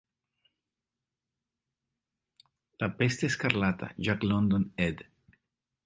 La peste escarlata- Jack London Ed.